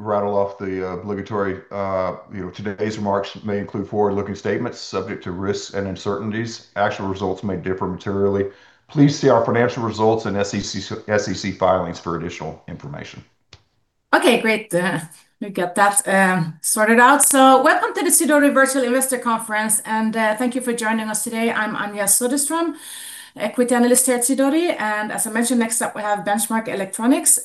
Rattle off the obligatory, you know, today's remarks may include forward-looking statements subject to risks and uncertainties. Actual results may differ materially. Please see our financial results and SEC filings for additional information. Okay, great. We got that sorted out. Welcome to the Sidoti Virtual Investor Conference, and thank you for joining us today. I'm Anja Soderstrom, equity analyst at Sidoti, and as I mentioned, next up we have Benchmark Electronics.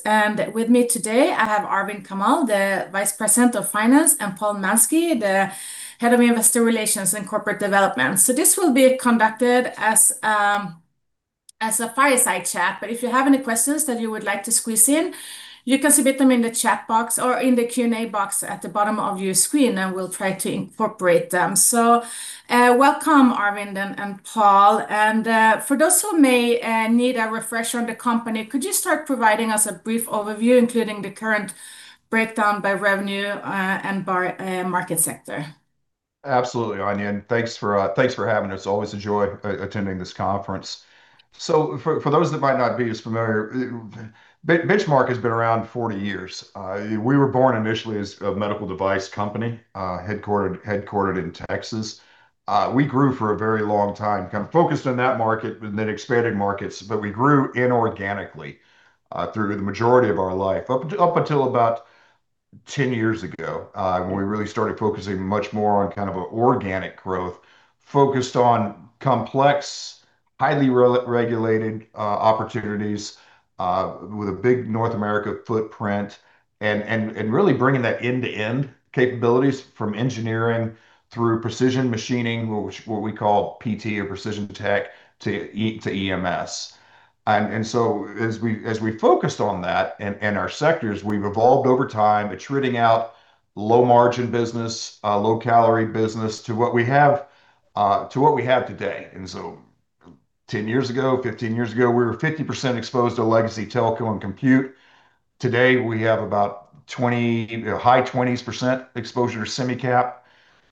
With me today, I have Arvind Kamal, the Vice President of Finance, and Paul Mansky, the Head of Investor Relations and Corporate Development. This will be conducted as a fireside chat. If you have any questions that you would like to squeeze in, you can submit them in the chat box or in the Q&A box at the bottom of your screen, and we'll try to incorporate them. Welcome Arvind and Paul. For those who may need a refresher on the company, could you start providing us a brief overview, including the current breakdown by revenue, and by market sector? Absolutely, Anja, and thanks for having us. Always a joy attending this conference. For those that might not be as familiar, Benchmark has been around 40 years. We were born initially as a medical device company, headquartered in Texas. We grew for a very long time, kind of focused on that market and then expanded markets, but we grew inorganically through the majority of our life up until about 10 years ago, when we really started focusing much more on kind of an organic growth, focused on complex, highly regulated opportunities, with a big North America footprint and really bringing that end-to-end capabilities from engineering through precision machining, what we call PT or Precision Technology, to EMS. As we focused on that in our sectors, we've evolved over time, attriting out low margin business, low caliber business to what we have today. 10 years ago, 15 years ago, we were 50% exposed to legacy telco and compute. Today, we have about 20%, high 20s% exposure to Semi-Cap.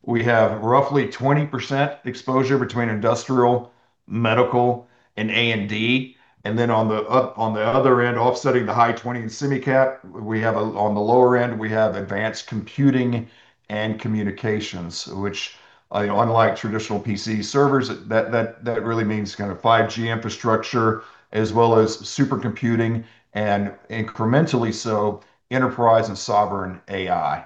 We have roughly 20% exposure between industrial, medical and A&D. On the other end, offsetting the high 20s% in Semi-Cap, we have, on the lower end, we have advanced computing and communications, which, unlike traditional PC servers, that really means kind of 5G infrastructure as well as super computing and incrementally so, enterprise and sovereign AI.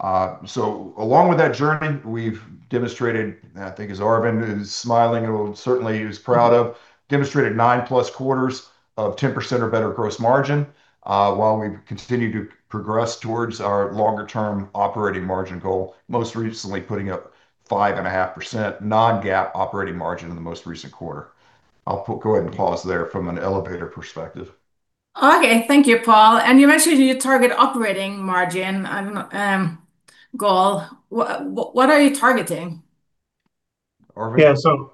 Along with that journey, we've demonstrated, and I think as Arvind is smiling and certainly he's proud of, demonstrated 9+ quarters of 10% or better gross margin, while we've continued to progress towards our longer term operating margin goal, most recently putting up 5.5% non-GAAP operating margin in the most recent quarter. I'll go ahead and pause there from an elevator perspective. Okay. Thank you, Paul. You mentioned your target operating margin and goal. What are you targeting? Arvind?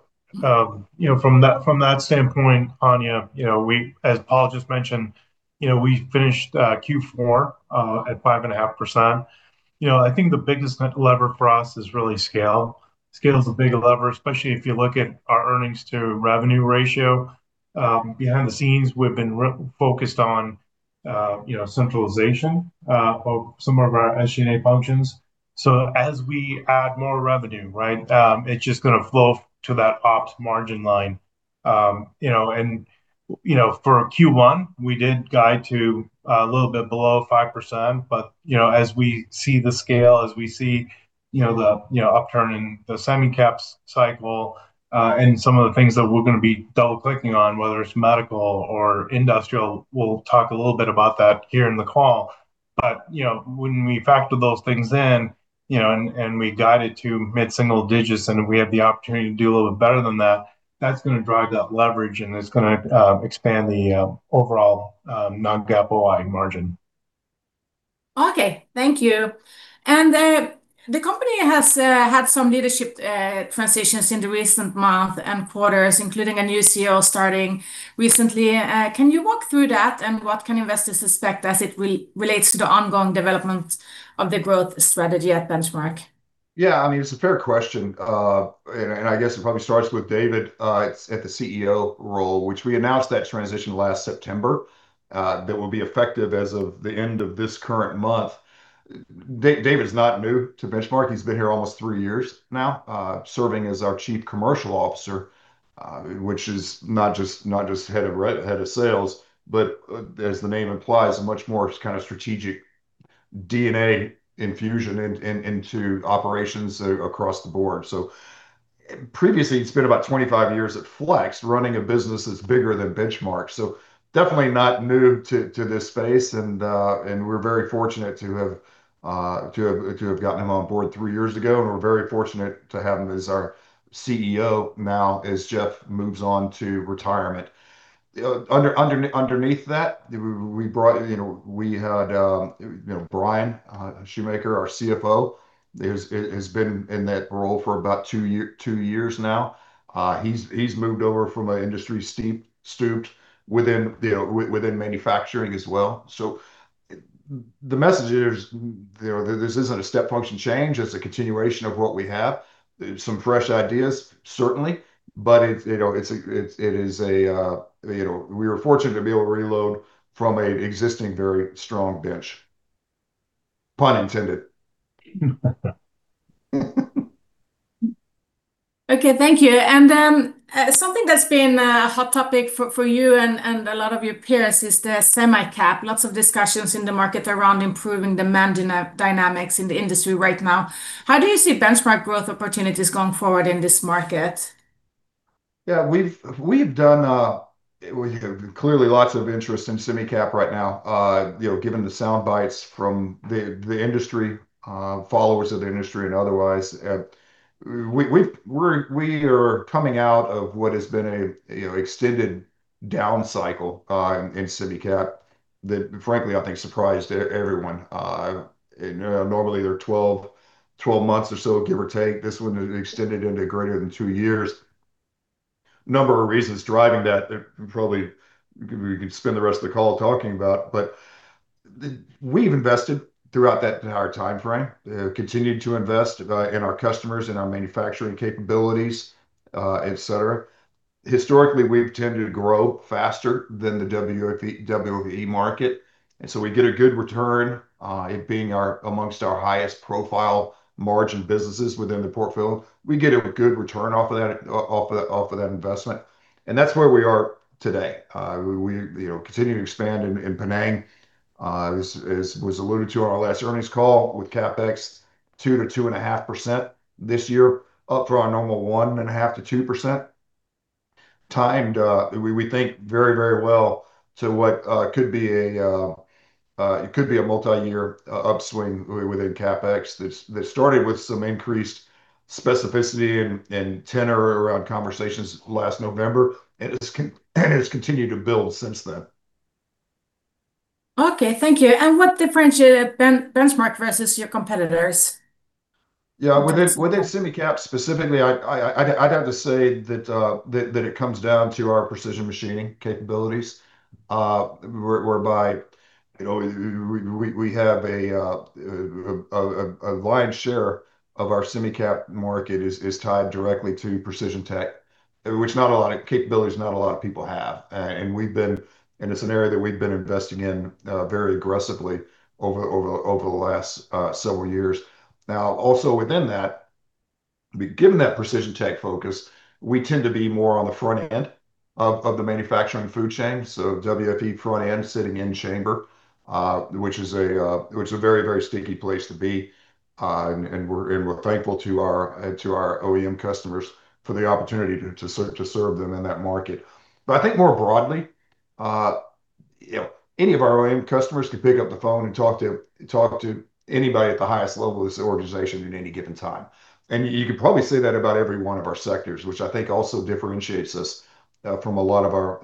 Yeah, from that standpoint, Anja, as Paul just mentioned, we finished Q4 at 5.5%. I think the biggest lever for us is really scale. Scale is a big lever, especially if you look at our earnings to revenue ratio. Behind the scenes, we've been focused on centralization of some of our SG&A functions. As we add more revenue, right, it's just gonna flow to that ops margin line. For Q1, we did guide to a little bit below 5%. You know, as we see the scale, you know, the upturn in the Semi-Cap cycle, and some of the things that we're gonna be double-clicking on, whether it's medical or industrial, we'll talk a little bit about that here in the call. You know, when we factor those things in, you know, and we guide it to mid-single digits, and we have the opportunity to do a little bit better than that's gonna drive that leverage, and it's gonna expand the overall non-GAAP operating margin. Okay. Thank you. The company has had some leadership transitions in the recent month and quarters, including a new CEO starting recently. Can you walk through that, and what can investors expect as it relates to the ongoing development of the growth strategy at Benchmark? Yeah, I mean, it's a fair question. I guess it probably starts with David at the CEO role, which we announced that transition last September, that will be effective as of the end of this current month. David's not new to Benchmark. He's been here almost three years now, serving as our chief commercial officer, which is not just head of sales, but as the name implies, a much more kind of strategic DNA infusion into operations across the board. Previously, he'd spent about 25 years at Flex, running a business that's bigger than Benchmark. Definitely not new to this space and we're very fortunate to have gotten him on board three years ago, and we're very fortunate to have him as our CEO now as Jeff moves on to retirement. Underneath that, we brought, you know, we had Bryan Schumaker, our CFO. He has been in that role for about two years now. He's moved over from an industry steeped in the manufacturing as well. The message is, you know, this isn't a step function change. It's a continuation of what we have. Some fresh ideas, certainly. It is a, you know, we were fortunate to be able to reload from an existing, very strong bench. Pun intended. Okay, thank you. Something that's been a hot topic for you and a lot of your peers is the Semi-Cap. Lots of discussions in the market around improving demand dynamics in the industry right now. How do you see Benchmark growth opportunities going forward in this market? Yeah, we've done clearly lots of interest in Semi-Cap right now, you know, given the sound bites from the industry followers of the industry and otherwise. We are coming out of what has been a, you know, extended down cycle in Semi-Cap that frankly I think surprised everyone. You know, normally they're 12 months or so, give or take. This one extended into greater than two years. Number of reasons driving that probably we could spend the rest of the call talking about. We've invested throughout that entire timeframe, continued to invest in our customers and our manufacturing capabilities, et cetera. Historically, we've tended to grow faster than the WFE market, and so we get a good return, it being our amongst our highest profile margin businesses within the portfolio. We get a good return off of that investment, and that's where we are today. We continue to expand in Penang, as was alluded to on our last earnings call with CapEx 2%-2.5% this year, up from our normal 1.5%-2%. Timely, we think very well-timed to what could be a multi-year upswing within CapEx that started with some increased specificity and tenor around conversations last November, and has continued to build since then. Okay, thank you. What differentiates Benchmark versus your competitors? Yeah. Within Semi-Cap specifically, I'd have to say that it comes down to our precision machining capabilities, whereby, you know, we have a lion's share of our Semi-Cap market is tied directly to Precision Technology, which not a lot of people have. It's an area that we've been investing in very aggressively over the last several years. Now, also within that, given that Precision Technology focus, we tend to be more on the front end of the manufacturing food chain. WFE front end sitting in chamber, which is a very sticky place to be. We're thankful to our OEM customers for the opportunity to serve them in that market. I think more broadly, you know, any of our OEM customers can pick up the phone and talk to anybody at the highest level of this organization at any given time. You could probably say that about every one of our sectors, which I think also differentiates us from a lot of our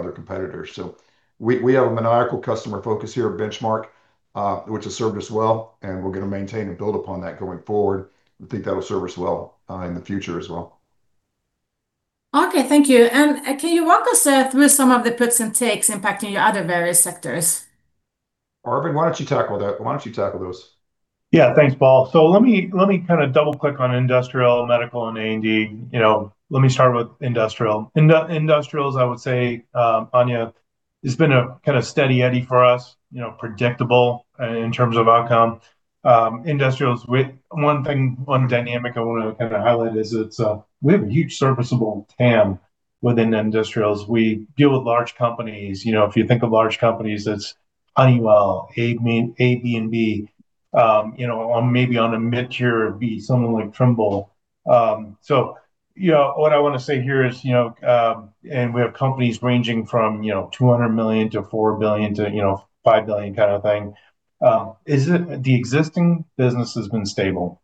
other competitors. We have a maniacal customer focus here at Benchmark, which has served us well, and we're gonna maintain and build upon that going forward. I think that'll serve us well in the future as well. Okay, thank you. Can you walk us through some of the puts and takes impacting your other various sectors? Arvind, why don't you tackle that? Why don't you tackle those? Yeah, thanks, Paul. Let me kind of double-click on industrial, medical, and A&D. You know, let me start with industrial. Industrials, I would say, Anja, it's been a kind of steady eddy for us, you know, predictable in terms of outcome. Industrials with one thing, one dynamic I want to kind of highlight is it's we have a huge serviceable TAM within industrials. We deal with large companies. You know, if you think of large companies, it's Honeywell, ABB. You know, or maybe on a mid-tier B, someone like Trimble. You know, what I want to say here is, you know, and we have companies ranging from, you know, $200 million-$4 billion-$5 billion kind of thing, the existing business has been stable.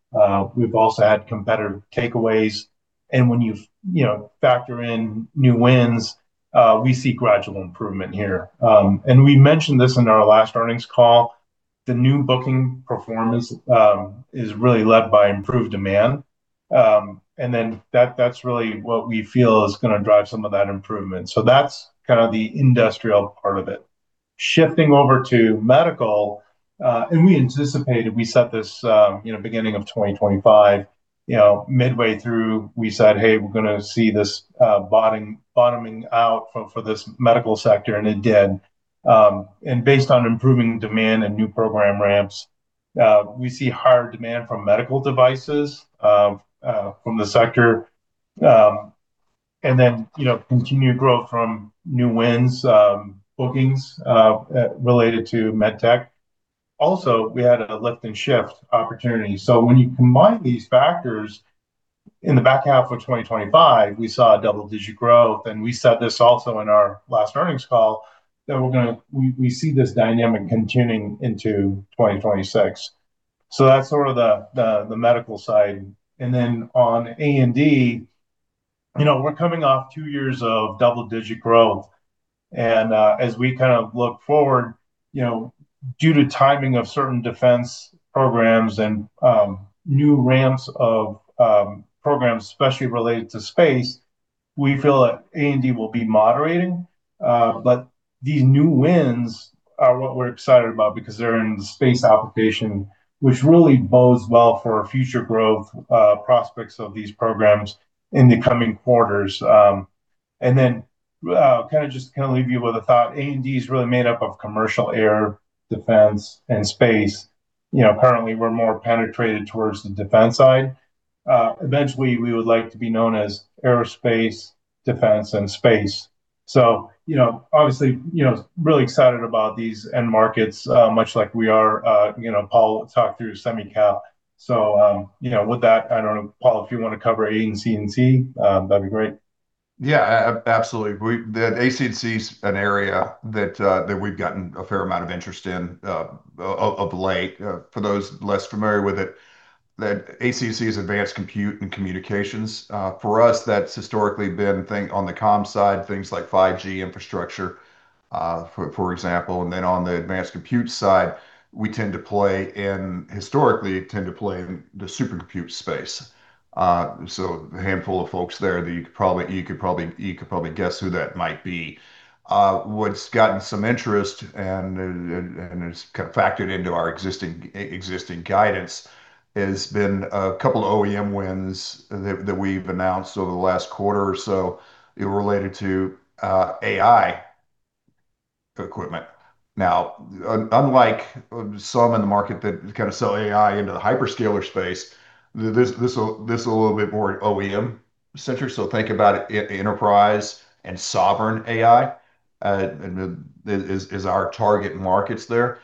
We've also had competitor takeaways. When you know, factor in new wins, we see gradual improvement here. We mentioned this in our last earnings call, the new booking performance is really led by improved demand. That, that's really what we feel is gonna drive some of that improvement. That's kind of the industrial part of it. Shifting over to medical, we anticipated, we set this, you know, beginning of 2025, you know, midway through, we said, "Hey, we're gonna see this, bottoming out for this medical sector," and it did. Based on improving demand and new program ramps, we see higher demand from medical devices from the sector. You know, continued growth from new wins, bookings related to med tech. We had a lift and shift opportunity. When you combine these factors in the back half of 2025, we saw double-digit growth, and we said this also in our last earnings call, that we see this dynamic continuing into 2026. That's sort of the medical side. On A&D, you know, we're coming off two years of double-digit growth. As we kind of look forward, you know, due to timing of certain defense programs and new ramps of programs especially related to space, we feel that A&D will be moderating. These new wins are what we're excited about because they're in the space application, which really bodes well for our future growth prospects of these programs in the coming quarters. Kind of leave you with a thought. A&D is really made up of commercial air, defense, and space. You know, currently we're more penetrated towards the defense side. Eventually, we would like to be known as aerospace, defense, and space. You know, obviously, you know, really excited about these end markets, much like we are, you know, Paul talked through Semi-Cap. You know, with that, I don't know, Paul, if you wanna cover AC&C, that'd be great. Yeah, absolutely. The AC&C is an area that we've gotten a fair amount of interest in of late. For those less familiar with it, the AC&C is advanced computing and communications. For us, that's historically been on the comm side, things like 5G infrastructure, for example. On the advanced computing side, we tend to play in, historically tend to play in the supercomputing space. So a handful of folks there that you could probably guess who that might be. What's gotten some interest and it's kind of factored into our existing guidance has been a couple of OEM wins that we've announced over the last quarter or so related to AI equipment. Unlike some in the market that kind of sell AI into the hyperscaler space, this a little bit more OEM-centric. Think about enterprise and sovereign AI, is our target markets there.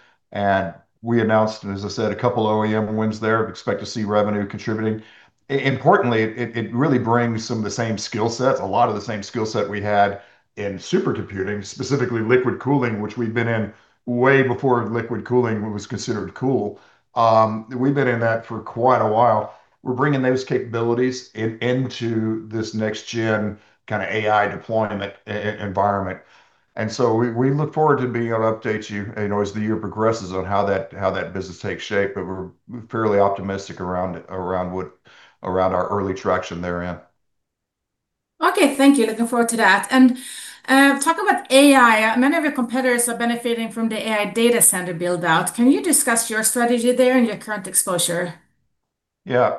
We announced, as I said, a couple of OEM wins there, expect to see revenue contributing. Importantly, it really brings some of the same skill sets, a lot of the same skill set we had in supercomputing, specifically liquid cooling, which we've been in way before liquid cooling was considered cool. We've been in that for quite a while. We're bringing those capabilities into this next gen kinda AI deployment environment. We look forward to being able to update you know, as the year progresses on how that business takes shape. We're fairly optimistic around our early traction therein. Okay. Thank you. Looking forward to that. Talking about AI, many of your competitors are benefiting from the AI data center build-out. Can you discuss your strategy there and your current exposure? Kinda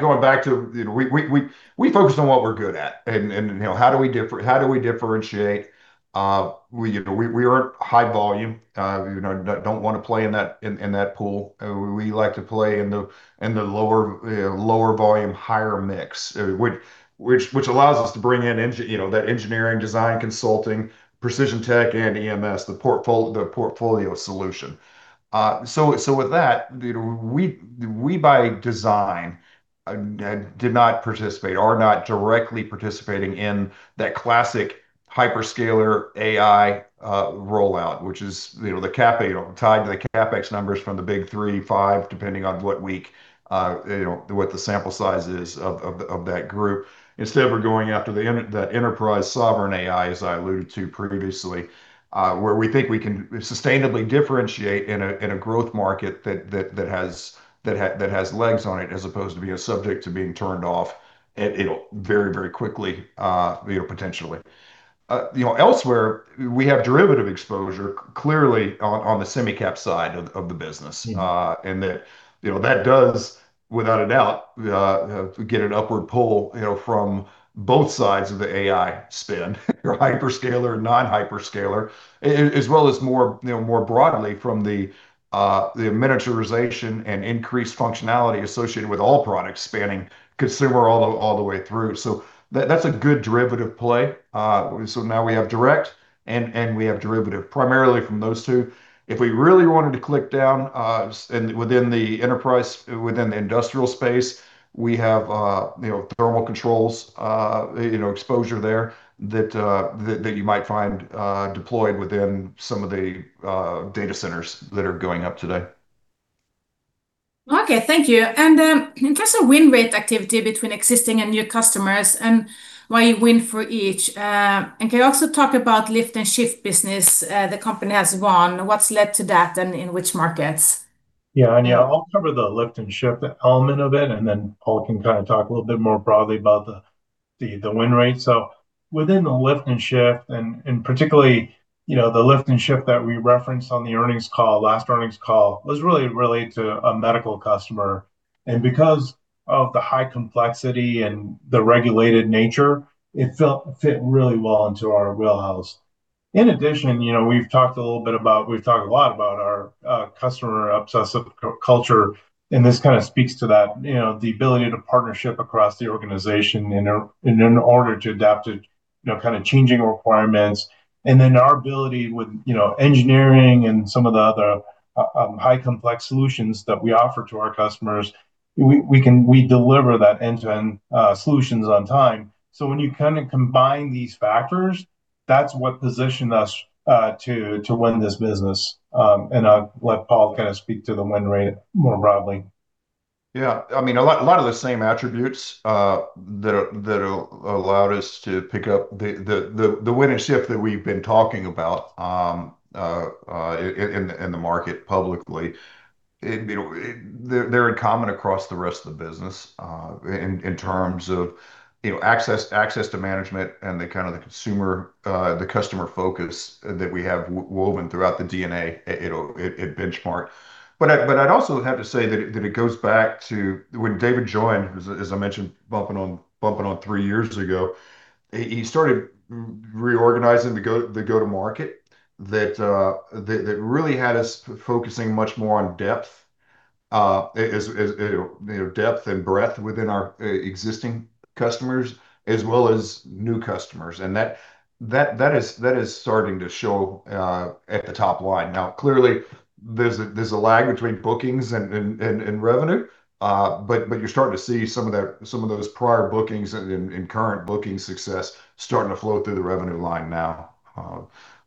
going back to, you know, we focus on what we're good at and, you know, how do we differentiate? You know, we aren't high volume. You know, don't wanna play in that pool. We like to play in the lower volume, higher mix, which allows us to bring in you know, that engineering design consulting, Precision Technology, and EMS, the portfolio solution. So with that, you know, we by design did not participate, are not directly participating in that classic hyperscaler AI rollout, which is, you know, the CapEx tied to the CapEx numbers from the big three, five, depending on what week, you know, what the sample size is of that group. Instead, we're going after the enterprise sovereign AI, as I alluded to previously, where we think we can sustainably differentiate in a growth market that has legs on it, as opposed to being subject to being turned off very quickly, you know, potentially. You know, elsewhere, we have derivative exposure clearly on the Semi-Cap side of the business. That does, without a doubt, get an upward pull, you know, from both sides of the AI spend, your hyperscaler, non-hyperscaler, as well as more, you know, more broadly from the miniaturization and increased functionality associated with all products spanning consumer all the way through. That's a good derivative play. Now we have direct and derivative primarily from those two. If we really wanted to drill down and within the enterprise, within the industrial space, we have, you know, thermal controls, you know, exposure there that you might find deployed within some of the data centers that are going up today. Okay. Thank you. In terms of win rate activity between existing and new customers, and why you win for each, and can you also talk about lift and shift business, the company has won, what's led to that, and in which markets? Yeah. Yeah, I'll cover the lift and shift element of it, and then Paul can kind of talk a little bit more broadly about the win rate. Within the lift and shift, and particularly, you know, the lift and shift that we referenced on the earnings call, last earnings call, was really related to a medical customer. Because of the high complexity and the regulated nature, it fit really well into our wheelhouse. In addition, you know, we've talked a lot about our customer obsessive culture, and this kind of speaks to that, you know, the ability to partner across the organization in order to adapt to, you know, kind of changing requirements. Our ability with, you know, engineering and some of the other, highly complex solutions that we offer to our customers, we deliver that end-to-end solutions on time. When you kinda combine these factors, that's what positioned us to win this business. I'll let Paul kind of speak to the win rate more broadly. Yeah. I mean, a lot of the same attributes that allowed us to pick up the lift and shift that we've been talking about in the market publicly. It, you know, they're in common across the rest of the business in terms of, you know, access to management and the kind of customer focus that we have woven throughout the DNA at Benchmark. I'd also have to say that it goes back to when David joined, as I mentioned, coming up on three years ago. He started reorganizing the go-to-market that really had us focusing much more on depth, as you know, depth and breadth within our existing customers, as well as new customers. That is starting to show at the top line. Now, clearly, there's a lag between bookings and revenue, but you're starting to see some of that, some of those prior bookings and current booking success starting to flow through the revenue line now.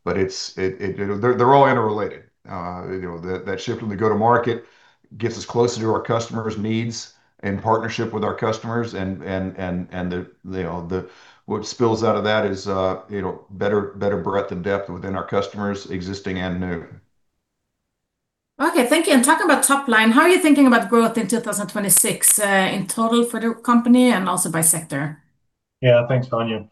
It's, you know, they're all interrelated. You know, that shift in the go-to-market gets us closer to our customers' needs in partnership with our customers. What spills out of that is, you know, better breadth and depth within our customers, existing and new. Okay, thank you. Talking about top line, how are you thinking about growth in 2026, in total for the company and also by sector? Yeah, thanks, Anja.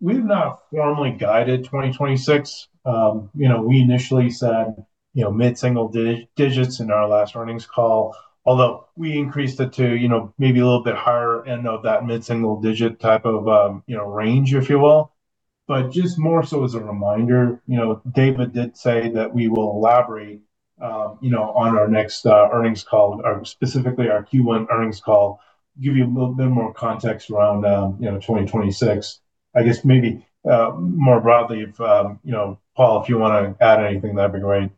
We've not formally guided 2026. You know, we initially said, you know, mid-single digits in our last earnings call, although we increased it to, you know, maybe a little bit higher end of that mid-single digit type of, you know, range if you will. Just more so as a reminder, you know, David did say that we will elaborate, you know, on our next earnings call or specifically our Q1 earnings call, give you a little bit more context around, you know, 2026. I guess maybe, more broadly if, you know, Paul, if you wanna add anything, that'd be great.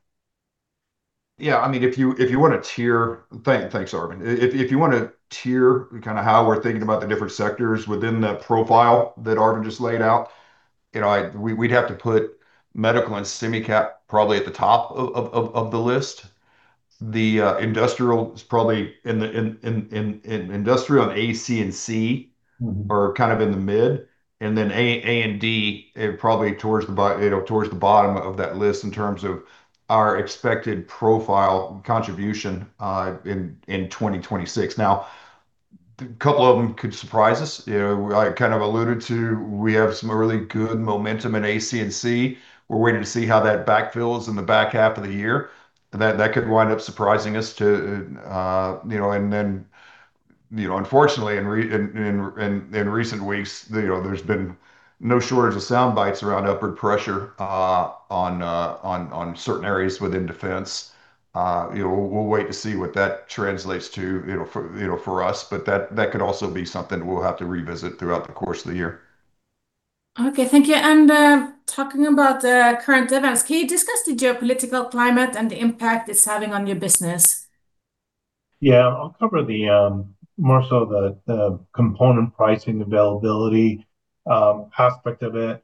Yeah, I mean, if you want to tier. Thanks, Arvind. If you wanna tier kinda how we're thinking about the different sectors within the profile that Arvind just laid out, you know, we'd have to put Medical and Semi-Cap probably at the top of the list. The industrial is probably in the industrial and AC&C. They are kind of in the mid, and then A&D are probably towards the bottom of that list in terms of our expected profit contribution in 2026. Now, a couple of them could surprise us. You know, I kind of alluded to we have some really good momentum in AC&C. We're waiting to see how that backfills in the back half of the year. That could wind up surprising us too, you know. Then, you know, unfortunately, in recent weeks, you know, there's been no shortage of sound bites around upward pressure on certain areas within defense. You know, we'll wait to see what that translates to, you know, for us. That could also be something we'll have to revisit throughout the course of the year. Okay, thank you. Talking about the current events, can you discuss the geopolitical climate and the impact it's having on your business? Yeah. I'll cover the more so the component pricing availability aspect of it.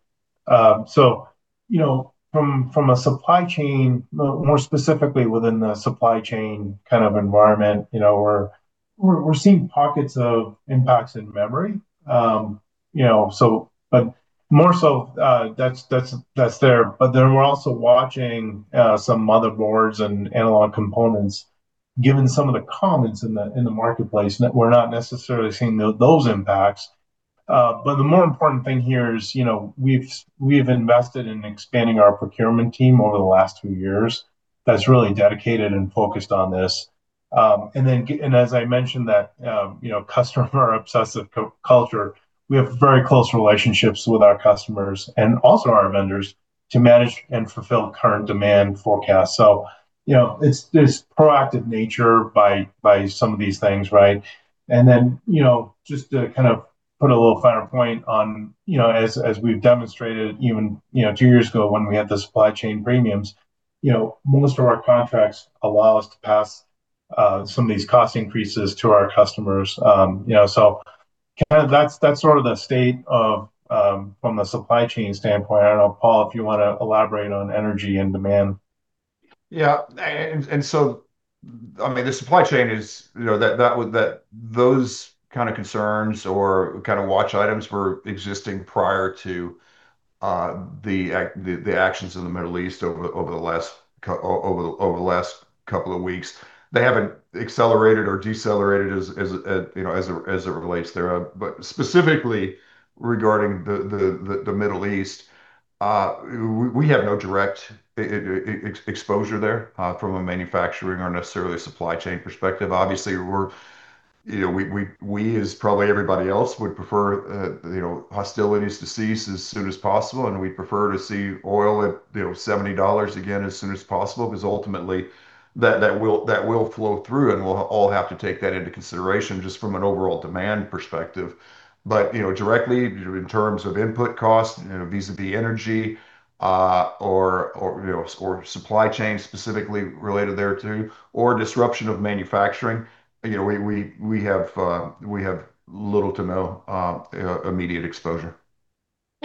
You know, from a supply chain, more specifically within the supply chain kind of environment, you know, we're seeing pockets of impacts in memory. You know, but more so, that's there. We're also watching some motherboards and analog components. Given some of the comments in the marketplace, we're not necessarily seeing those impacts. The more important thing here is, you know, we've invested in expanding our procurement team over the last few years that's really dedicated and focused on this. As I mentioned, you know, customer obsessive co-culture, we have very close relationships with our customers and also our vendors to manage and fulfill current demand forecasts. you know, it's this proactive nature by some of these things, right? you know, just to kind of put a little finer point on, you know, as we've demonstrated even, you know, two years ago when we had the supply chain premiums, you know, most of our contracts allow us to pass some of these cost increases to our customers. you know, so kinda that's sort of the state of from a supply chain standpoint. I don't know, Paul, if you wanna elaborate on energy and demand. I mean, the supply chain is, you know, those kind of concerns or kind of watch items were existing prior to the actions in the Middle East over the last couple of weeks. They haven't accelerated or decelerated, you know, as it relates there. Specifically regarding the Middle East, we have no direct exposure there from a manufacturing or necessarily supply chain perspective. Obviously, we're, you know, we as probably everybody else would prefer, you know, hostilities to cease as soon as possible, and we'd prefer to see oil at, you know, $70 again as soon as possible, because ultimately that will flow through, and we'll all have to take that into consideration just from an overall demand perspective. But, you know, directly in terms of input costs, you know, vis-à-vis energy, or, you know, or supply chain specifically related thereto, or disruption of manufacturing, you know, we have little to no immediate exposure.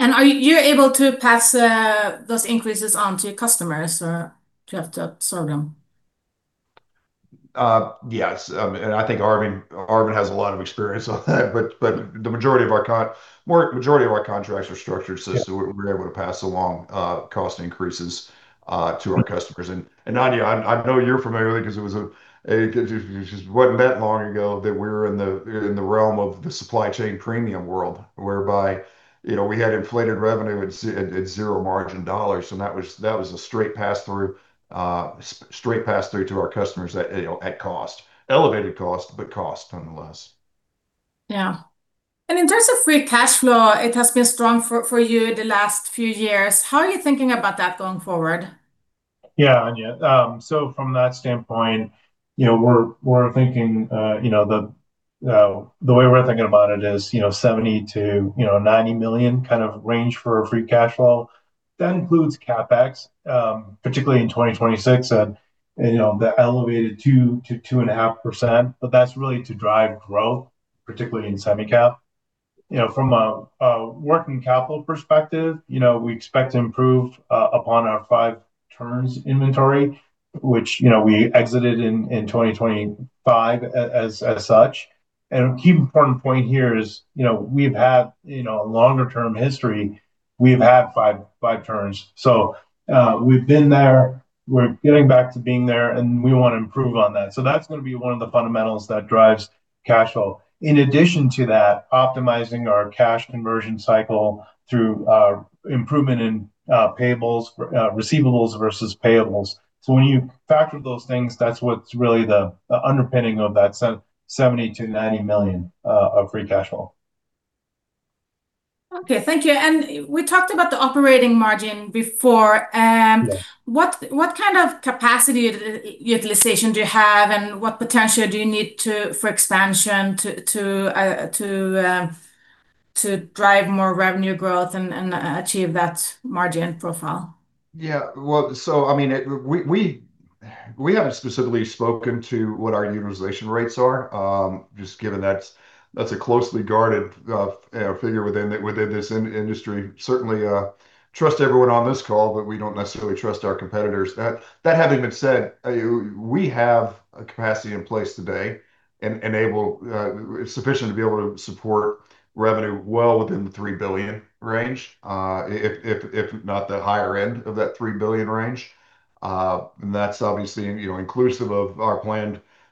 Are you able to pass those increases on to your customers, or do you have to absorb them? Yes, I think Arvind has a lot of experience on that. The majority of our contracts are structured so we're able to pass along cost increases to our customers. Anja, I know you're familiar with it 'cause it wasn't that long ago that we were in the realm of the supply chain premium world, whereby, you know, we had inflated revenue at zero margin dollars, and that was a straight pass-through to our customers at, you know, at cost. Elevated cost, but cost nonetheless. Yeah. In terms of free cash flow, it has been strong for you the last few years. How are you thinking about that going forward? Yeah, Anja, so from that standpoint, you know, we're thinking, you know, the way we're thinking about it is, you know, $70 million-$90 million kind of range for our free cash flow. That includes CapEx, particularly in 2026, and, you know, the elevated 2%-2.5%, but that's really to drive growth, particularly in Semi-Cap. You know, from a working capital perspective, you know, we expect to improve upon our five turns inventory, which, you know, we exited in 2025 as such. A key important point here is, you know, we've had, you know, a longer-term history, we've had five turns. So, we've been there, we're getting back to being there, and we wanna improve on that, so that's gonna be one of the fundamentals that drives cash flow. In addition to that, optimizing our cash conversion cycle through improvement in payables, receivables versus payables. When you factor those things, that's what's really the underpinning of that $70 million-$90 million of free cash flow. Okay, thank you. We talked about the operating margin before. What kind of capacity utilization do you have, and what potential do you need for expansion to drive more revenue growth and achieve that margin profile? I mean, we haven't specifically spoken to what our utilization rates are, just given that's a closely guarded figure within this industry. Certainly, we trust everyone on this call, but we don't necessarily trust our competitors. That having been said, we have a capacity in place today and sufficient to be able to support revenue well within the $3 billion range, if not the higher end of that $3 billion range. That's obviously, you know, inclusive of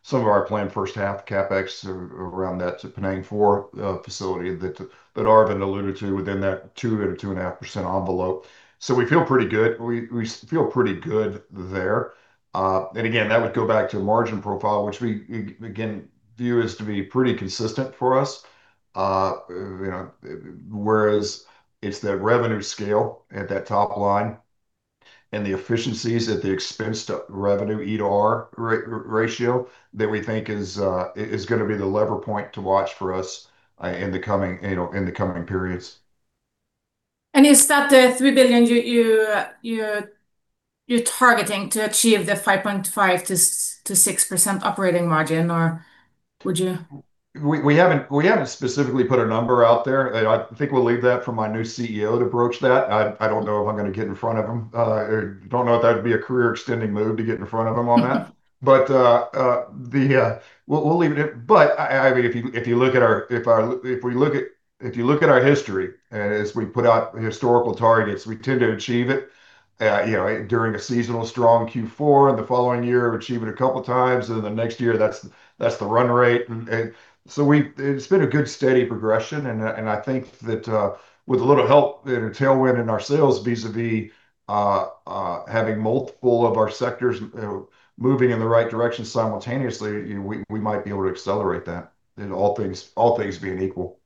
some of our planned first half CapEx around that PT4 facility that Arvind alluded to within that 2% or 2.5% envelope. We feel pretty good. We feel pretty good there. Again, that would go back to a margin profile, which we again view as to be pretty consistent for us. You know, whereas it's the revenue scale at that top line and the efficiencies at the expense to revenue EOR ratio that we think is gonna be the lever point to watch for us, in the coming, you know, in the coming periods. Is that the $3 billion you're targeting to achieve the 5.5%-6% operating margin? Or would you- We haven't specifically put a number out there. I think we'll leave that for my new CEO to broach that. I don't know if I'm gonna get in front of him. I don't know if that'd be a career-ending move to get in front of him on that. We'll leave it at that. I mean, if you look at our history as we put out historical targets, we tend to achieve it, you know, during a seasonally strong Q4, and the following year achieve it a couple times, and then the next year that's the run rate. It's been a good steady progression, and I think that with a little help and a tailwind in our sales vis-à-vis having multiple of our sectors moving in the right direction simultaneously, you know, we might be able to accelerate that in all things, all things being equal.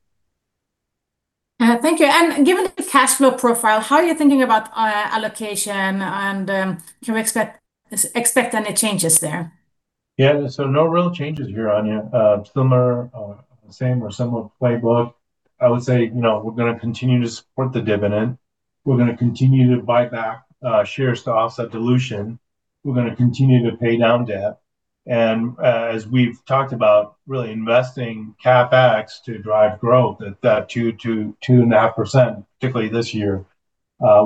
Thank you. Given the cash flow profile, how are you thinking about allocation, and can we expect any changes there? Yeah. No real changes here, Anja. Similar, same or similar playbook. I would say, you know, we're gonna continue to support the dividend. We're gonna continue to buy back shares to offset dilution. We're gonna continue to pay down debt. As we've talked about, really investing CapEx to drive growth at that 2%-2.5%, particularly this year.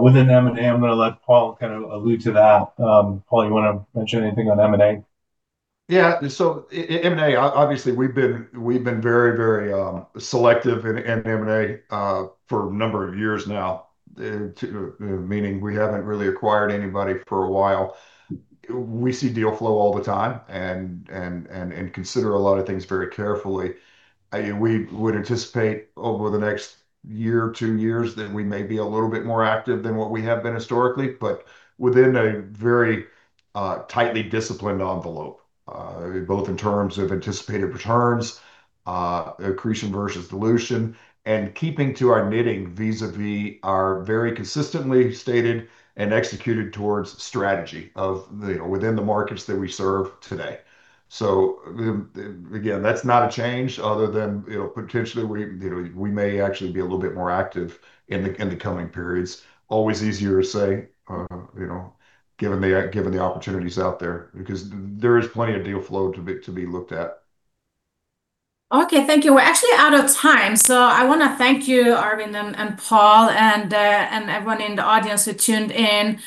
Within M&A, I'm gonna let Paul kind of allude to that. Paul, you wanna mention anything on M&A? Yeah. M&A obviously, we've been very selective in M&A for a number of years now. Meaning we haven't really acquired anybody for a while. We see deal flow all the time and consider a lot of things very carefully. We would anticipate over the next year or two years that we may be a little bit more active than what we have been historically, but within a very tightly disciplined envelope both in terms of anticipated returns, accretion versus dilution, and keeping to our knitting vis-à-vis our very consistently stated and executed towards strategy of you know within the markets that we serve today. Again, that's not a change other than, you know, potentially we, you know, we may actually be a little bit more active in the coming periods. Always easier to say, you know, given the opportunities out there, because there is plenty of deal flow to be looked at. Okay, thank you. We're actually out of time, so I wanna thank you, Arvind and Paul and everyone in the audience who tuned in.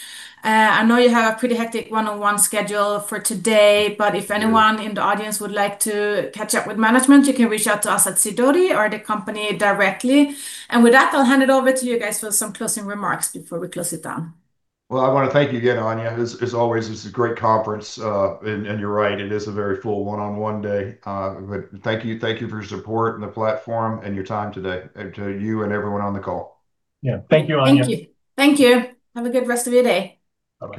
I know you have a pretty hectic one-on-one schedule for today, but if anyone in the audience would like to catch up with management, you can reach out to us at Sidoti or the company directly. With that, I'll hand it over to you guys for some closing remarks before we close it down. Well, I wanna thank you again, Anja. As always, this is a great conference. You're right, it is a very full one-on-one day. Thank you for your support and the platform and your time today, and to you and everyone on the call. Yeah. Thank you, Anja. Thank you. Thank you. Have a good rest of your day.